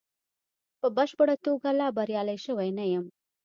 په بشپړه توګه لا بریالی شوی نه یم.